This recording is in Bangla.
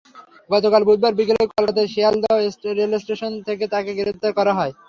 গতকাল বুধবার বিকেলে কলকাতার শিয়ালদহ রেলস্টেশন থেকে তাঁকে গ্রেপ্তার করা হয়।